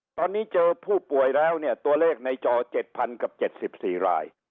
ตอนนี้เจอผู้ป่วยแล้วเนี่ยตัวเลขในจอ๗๐๐กับ๗๔ราย